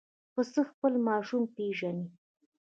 پسه خپل ماشوم پېژني.